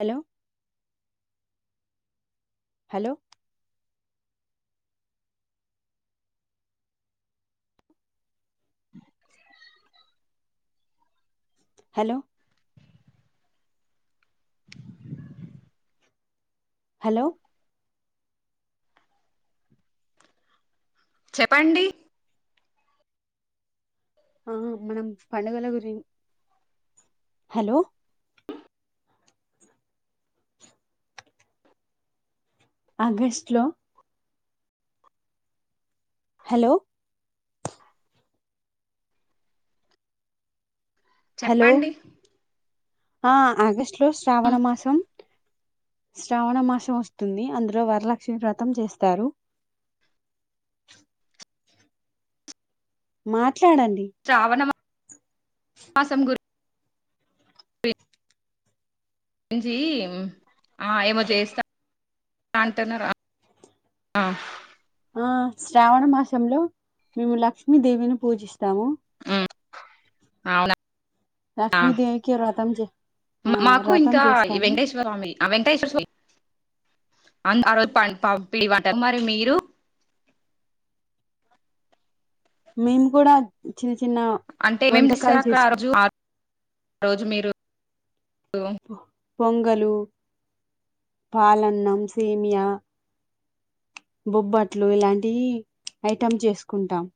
Hello hello hello hello చెప్పండి ఆ మనం పండగల గురి హలో ఆగస్ట్ లో హలో హలో చెప్పండి ఆ ఆగస్టు లో శ్రావణ మాసం శ్రావణ మాసం వస్తుంది అందులో వరలక్ష్మి వ్రతం చేస్తారు మాట్ శ్రావణ మాసం గురు వి రించి ఆ ఏమో చేస్తా కంటునరా ఆ ఆ శ్రావణ మాసంలో మేము లక్ష్మీదేవిని పూజిస్తాము అవునా లక్ష్మీదేవికి వ్రతం చే ఆ మాకు వ్రతం ఇంకా ఈ చేస్తాము వెంకటేశ్వర స్వామి ఆ వెంకటేశ్వర స్వామి అఅంద్ ఆ రోజు పన్ పి పిండి వంటలు మరి మీరు మేము కూడా చిన్న చిన్న అంటే మేం చేస్తారు వంటకాలు అక్కడ ఆ చేసుకుం రోజు ఆ రోజు మీరు పొంగలు పాలన్నం సేమియా బొబ్బట్లు ఇలాంటి ఐటెమ్ చేసుకుంటాం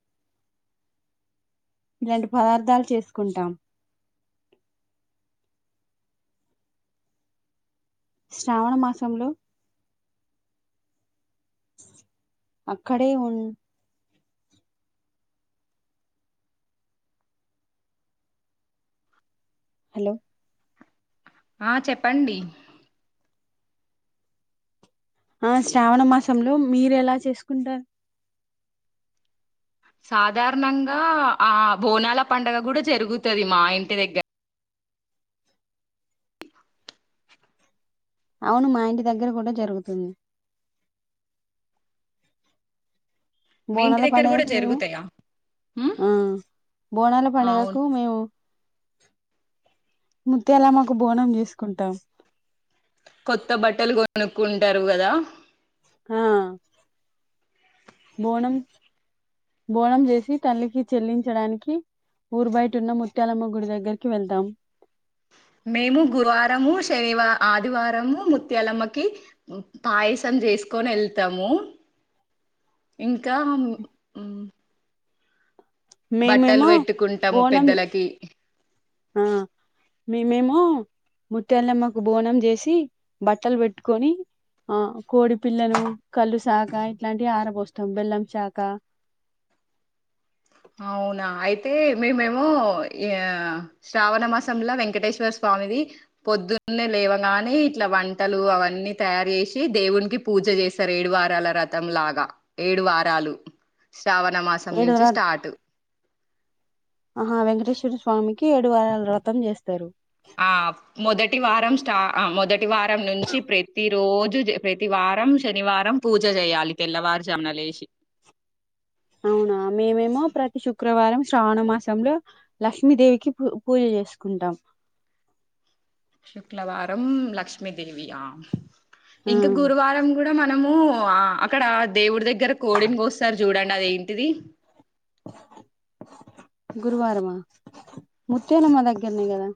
ఇలాంటి పదార్థాలు చేసుకుంటాం శ్రావణ మాసంలో అక్కడే ఉం హలో ఆ చెప్పండి ఆ శ్రావణ మాసంలో మీరు ఎలా చేసుకుంటారు సాధారణంగా ఆ బోనాల పండగ కూడా జరుగుతుది మా ఇంటి దగ్గర అవును మా ఇంటి దగ్గర కూడా జరుగుతుంది మీ ఇంటి బోనాల దగ్గర పండుగ కూడా కి మేము జరుగుతాయా ఉమ్ హ్మ్ బోనాల అవును పండుగకు మేము ముత్యాలమ్మకు బోనం చేసుకుంటాం కొత్త బట్టలు కొనుక్కుంటారు కదా ఆ బోనం బోనం చేసి తల్లికి చెల్లించడానికి ఊరు బయట ఉన్న ముత్యాలమ్మ గుడి దగ్గరికి వెళ్తాం మేము గురువారము శనివ ఆదివారము ముత్యాలమ్మకి పాయసం చేసుకొని వెళ్తాము [inaudible] ఇంకా బట్టలు మేమేమో పెట్టుకుంటాము బోనం పెద్దలకి ఆ మ మేమో ముత్యాలమ్మ కు బోనం చేసి బట్టలు పెట్టుకొని ఆ కోడి పిల్లను కళ్ళు శాక ఇట్లాంటివి ఆరబోస్తాం బెల్లం శాక [inaudible] అవునా అయితే మేమేమో ఈ శ్రావణ మాసంలో వెంకటేశ్వర స్వామి స్వామిది పొద్దున్నే లేవగానే ఇట్లా వంటలు అవన్నీ తయారు చేసి దేవునికి పూజ చేస్తరు ఏడు వారాల వ్రతం లాగా ఏడు వారాలు శ్రావణ మాసం ఏడు నుంచి ర స్టార్ట్ ఆహా వెంకటేశ్వర స్వామి ఆ మొదటి వారం స్టా ఆ మొదటి వారం నుంచి ప్రతి రోజు ప్రతి వారం శనివారం పూజ చేయాలి తెల్లవారు తెల్లవారుజామున లేసి అవునా మేమేమో ప్రతి శుక్ శుక్రవారం శ్రావణ మాసంలో లక్ష్మీదేవికి పూ పూజ చేసుకుంటాం [inaudible] శుక్రవారం లక్ష్మీదేవియా ఆ ఇంకా గురువారం కూడా మనము అక్కడ దేవుడి దగ్గర కోడిని కోస్తారు చూడండి అది ఏంటిది గురువారమా ముత్యాలమ్మా దగ్గరనే కదా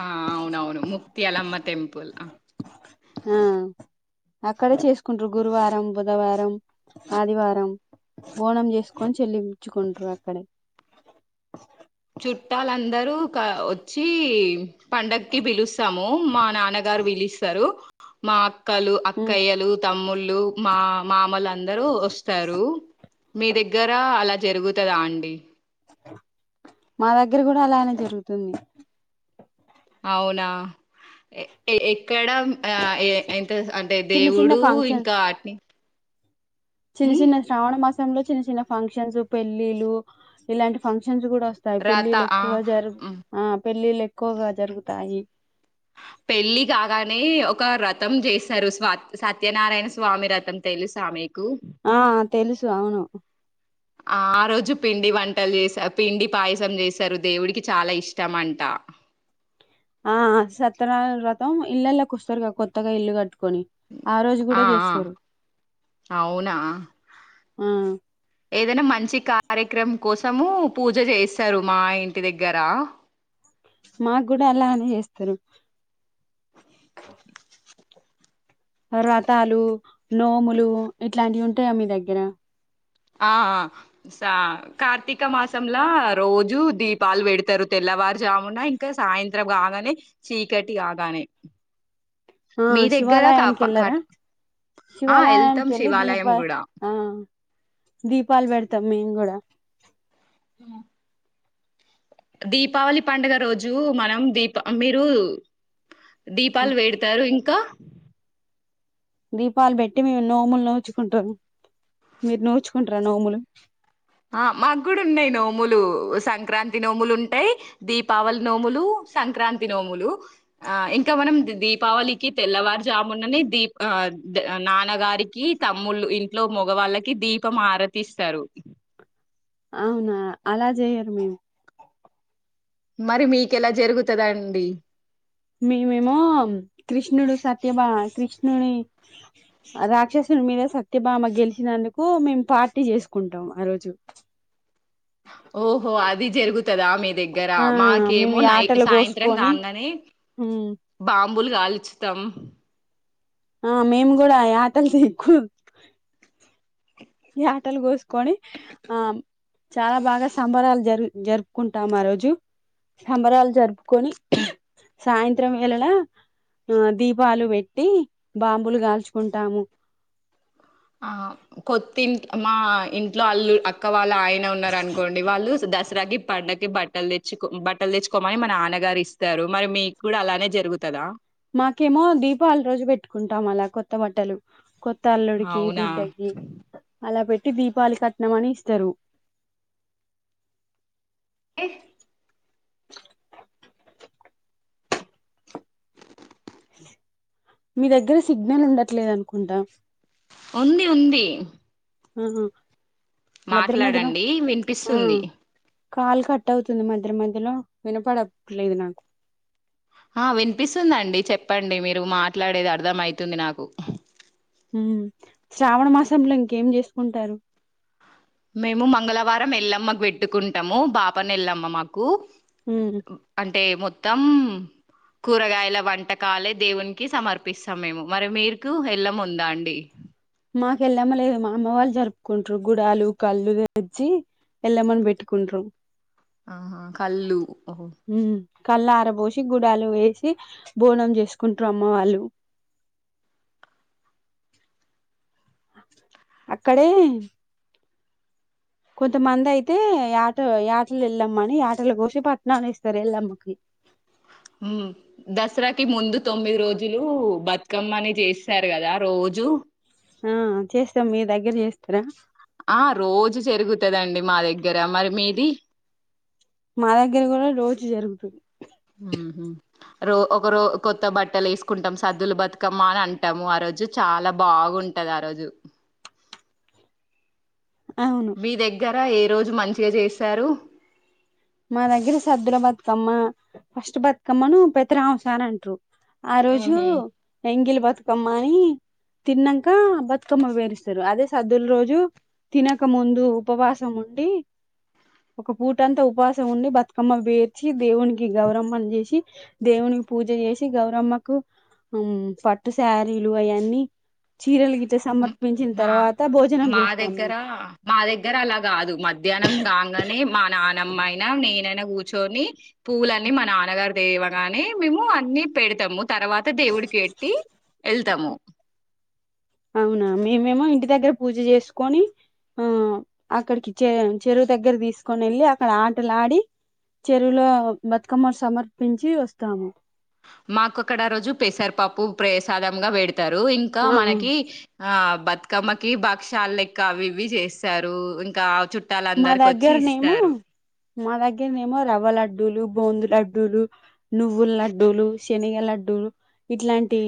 ఆ అవునవును ముత్యాలమ్మ టెంపుల్ ఆ అక్కడే చేసుకుంట్రు గురువారం బుధవారం ఆదివారం బోనం చేసుకొని చెల్లి ఉచ్చుకుంటారు అక్కడే చుట్టాలందరూ క వ చ్చి పండగకి పిలుస్తాము మా నాన్నగారు పిలుస్తారు మా అక్కలు ఉమ్ అక్కయ్యలు తమ్ముళ్ళు మా మామలు అందరూ వస్తారు మీ దగ్గర అలా జరుగుతదా అండి మా దగ్గర కూడా అలానే జరుగుతుంది అవునా ఎ ఏ ఎక్కడ ఆ ఏ ఎంత అంటే చిన్న చిన్న దేవుడు ఫంక్షన్ ఇంకా ఆటిని చిన్న చిన్న శ్రావణ మాసంలో, చిన్న చిన్న ఫంక్షన్స్, పెళ్ళిలు, ఇలాంటి ఫంక్ష న్స్ కూడా వస్తాయి. రథ పెళ్ళిల్ ఆ ఎక్కువ జరుగు, ఉమ్, ఆ. పెళ్ళిళ్ ఎక్కువగా జరుగుతాయి. పెళ్ళి కాగానే ఒక రథం చేస్తారు. స్వా సత్యనారాయణ స్వామి రథం. తెలుసా మీ కు. ఆ తెలుసు అవును ఆ రోజు పిండి వంటలు చేస, పిండి పాయసం చేస్తారు. దేవుడికి చాలా ఇష్టం అంట. ఆ సత్యనారాయణ వ్రతం ఇళ్లల్లోకి వస్తారుగా కొత్తగా ఇల్లు కట్టు కొని, ఆ రోజు కూడ చేస్తారు. అవునా ఆ ఏదైనా మంచి కార్యక్రమం కోసము పూజ చేస్తారు. మా ఇన్ టి దగ్గర. మాక్కూడ అలానే చేస్తారు. వ్రతాలు, నోములు, ఇట్లాంటివి ఉంటాయా మీ దగ్గర? ఆ సా కార్తీక మాసంలా, రోజు దీపాలు పెడతారు. తెల్ల తెలవారు జామున, ఇంకా సాయంత్రం కాగానే, చీకటి కాగానే. ఆ మీ దగ్గర శివాలయానికి కాప ఎల్లరా? కట్ ఆ వెళ్తాం శివాలయానికెళ్లి దీప, శివాలయం కూడా ఆ. దీపాలు పెడతాం మేం కూడ ఆ దీపావళి పండుగ రోజు, మనం దీప, మీరు, దీపాలు పెడతారు ఇంకా దీపాలు పెట్టి మేమ్ నోముల్ నోచుకుంటాం. మీరు నోచుకుంటార నోములు? ఆ మాక్కూడ ఉన్నాయి నోములు. సంక్రాంతి నోములు ఉంటాయి, దీపావళి నోములు సంక్రాంతి నోములు, ఆ ఇంకా మనం ది దీపావళికి తెల్లవారుజామునని దీ నాన్నగారికి, తమ్ముళ్ళు ఇంట్లో మోగవాళ్ళకి దీపం ఆరతిస్తారు. అవునా అలా చెయ్యరు. మేము మరి మీకెలా జరుగుతదండి? మేమేమో కృష్ణుడు, సత్యభామ, కృష్ణుని రాక్షస మీద సత్యభామ గెలిచినందుకు మేము పార్టీ చేసుకుంటాం. ఆ రోజు. ఓహో అది జరుగు తదా మీ దగ్గర ఆ మేము మాకేమో నైట్, యాటలు సాయంత్రం కోసుకొని కాంగానే, బా బులు కాలుచుతాం ఆ మేము కూడ యాటలది ఎక్కువ ఈ యాటల్ గోస్కోని, ఆమ్ చాలా బాగా సంబరాలు జరు జరుపుకుంటాం ఆ రోజు. సంబరాలు జరుపుకొని, సాయంత్రం వేళలా ఆ దీపాలు పెట్టి బాంబులు గాల్చుకుంటాము. ఆ కొత్తింటి మా ఇన్ ట్లో అళ్ళు అక్క వాళ్ళ ఆయన ఉన్నార్ అనుకోండి, వాళ్ళు దస్ త్రా గి పండక్కి బట్టలు తెచ్చుకో, బట్టలు తెచ్చుకోమని మా నాన్నగారు ఇస్తారు. మరి మీకు కూడ అలానే జరుగుతదా? మాకేమో దీపావళి రోజు పెట్టుకుంటాం అలా కొత్త బట్టలు కొత్త అల్లుడికి, అవునా బిడ్డకి అలా పెట్ ట్టి దీపావళి కట్నం అని ఇస్తరు. ఎ మీ దగ్గర సిగ్నల్ ఉండట్లేదు అనుకుంటా! ఉంది. ఉంది. ఆ మధ్య మాట్లాడండి వినిపిస్తుంది కాలు కట్ అవుతుంది మధ్య మధ్యలో వినపడలేదు నాకు ఆ వినిపిస్తుందండి చెప్పండి మీరు మాట్లాడేది అర్థం అయితుంది నాకు హ్మ్ శ్రావణ మాసంలో ఇంకేం చేసుకుంటారు మేము మంగళవారం వెళ్ళమ్మాకు పెట్టుకుంటాము బాపని వెళ్ళమ్మ మాకు ఉమ్ అంటే మొత్తం కూరగాయల వంటకాలే దేవునికి సమర్పిస్తాం మేము మరి మీకు ఎల్లమా ఉందా అండి మాకుెళ్ళామ లేదు మా అమ్మ వాళ్ళు జరుపుకుంటారు గుడాలు కళ్ళు తెచ్చి ఎల్మమణి పెట్కుంటరూ ఆహా కళ్ళు ఓహో కళ్ళార పోసి గుడాలు వేసి బోనం చేసుకుంటారు అమ్మ వాళ్ళు అక్కడే కొంతమంది అయితే ఆట ఆటలు వెళ్ళమని ఆటలు కోసి పట్టణన్ని ఇస్తారు వెళ్ళమ్మకి దసరాకి ముందు తొమ్మిది రోజులు బతుకమ్మని చేస్తారు కదా రో జు ఆ చేస్తాం మీ దగ్గర చేస్తారా ఆ రోజు జరుగుతుదండి మా దగ్గర మరి మీది మాదగరా కూడా ఇది జరుగుతది మ్మ్ హ్మ్ రో ఒకరో కొత్త బట్టలు వేసుకుంటాం సద్దులు బతుకమ్మ అని అంటాము ఆ రోజు చాలా బాగు ఉంటది ఆ రోజు అవును మీ దగ్గర ఏ రోజు మంచిగా చేస్తారు మా దగ్గర సదుర బతుకమ్మ ఫస్ట్ బతుకమ్మను పెద్దరాంసార్ అంటారు ఆ రోజు ఉహు ఎంగిలి బతుకమ్మని తిన్నాక బతుకమ్మ వేరిస్తారు అదే సద్దుల రోజు తినక ముందు ఉపవాసం ఉండి ఒక పూటంతా ఉపవాస ఉండి బతుకమ్మ వేర్చి దేవునికి గౌరమ్మను చేసి దేవునికి పూజ చేసి గౌరమ్మకు హ్మ్ పట్టు శారీలు అవన్నీ చీరల గిట సమర్పించిన మా తర్వాత భోజనం మా చేస్తాం మేము దగ్గర మా దగ్గర అలా కాదు మధ్యాహ్నం కాగానే మా నాన్న మ్మాయిన నేనైనా కూర్చొని పూవులనీ మా నాన్నగారు దేవగాని మేము అన్ని పెడతాము తర్వాత దేవుడికి ఎట్టి వెళ్తాము అవునా మేమేమో ఇంటి దగ్గర పూజ చేసుకొని ఆ అక్కడికి చె చెరువు దగ్గర తీసుకొని వెళ్ళి అక్కడ ఆటలు ఆడి చెరువులో బతుకమ్మ సమర్పించి వస్తాము మాకొక్కడా రోజు పెసర్పాప్పు ప్రసాదంగా పేడ తారు ఇంకా ఆ, ఆ. మనకి ఆ బతుకమ్మకి భక్షలు లెక్క అవి ఇవి చేస్తారు ఇంకా ఆ చుట్ట మా దగ్గరనేమో మా దగ్గరనేమో రవ్వలడ్డు బందు లడ్లు ను్వుల లడ్డు లు లడ్డూ ఇట్లాంటి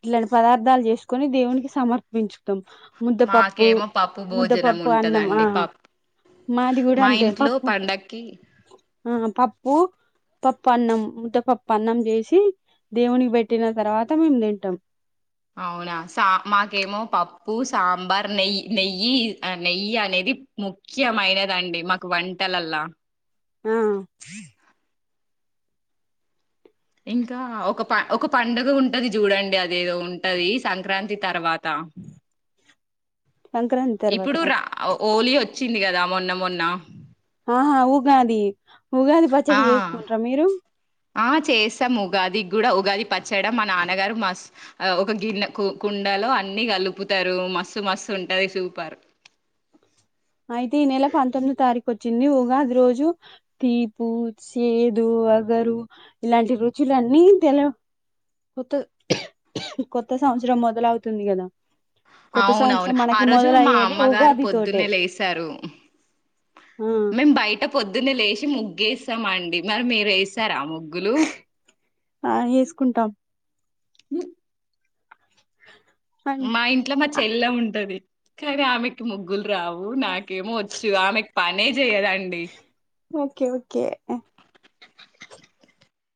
ఇట్లాంటి పదార్థాలు చేసుకోని దేవునికి సమర్పించుతాం ముద్దపప్పు మాకేమో పప్పు భోజనం ముద్దపప్పు అన్నం ఆ ఉంటదండి పప్పు మాది కూడా మా అంతే ఇంట్లో పప్పు పండక్కి ఆ పప్పు పప్పు అన్నం ముద్ద పప్పు అన్నం చేసి దేవునికి పెట్టిన తర్వాత మేము తింటాం అవునా సా మాకేమో పప్పు సాంబార్ నెయ్యి నెయ్యి నెయ్యి అనే ఇది ముఖ్యమైనదండి మాకు వంటలల్లా మ్ ఇంకా ఒక ఒక పండుగ ఉంటది చూడండి. అదేదో ఉంటది సంక్రాంతి తర్వాత సంక్రాంతి తర్వాత ఇప్పుడు రా ఓలీ వచ్చింది కదా మొన్న మొన్న ఆహా ఉగాది ఉగాది ఆ పచ్చడి చేసుకుంటార మీరు? ఆ చేస్తాం ఉగాది కూడా ఉగాది పచ్చడి. మా నాన్నగారు మా ఒక గిన్నె కు కుండ లో అన్ని కలుపుతారు మస్సు మస్తు ఉంటది సూపర్. అ అయితే ఈ నెల పంతొమిది తారీఖు వచ్చింది ఉగాది రోజు తీపు చేదు అ ఇలాంటి రుచులన్నీ తెలి కొత్త కొత్త సంవత్సరం మొదలు అవుతుంది కదా కొత్త అవునవును సంవత్సరం ఆ మనకి రోజు మా మొదలయ్యేది అమ్మగారు ఉగాది తోటే పొద్దున్నే లేసారు. ఆ మేము బయట పొద్దున్న లేసి ముగ్గేస్తాము అండి. మరి మీరు వేస్తారా ముగ్గు? ఆ వేసుకుంటాం హ [inaudible] హ హా మా ఇంట్లో మా చెల్ల ఉంటది. కానీ ఆమెకి ముగ్గులు రావు. నాకేమో వచ్చు ఆమెకి పనే చేయదండి ఓకే. ఓకే.